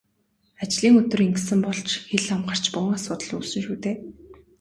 Ажлын өдөр ингэсэн бол ч хэл ам гарч бөөн асуудал үүснэ шүү дээ.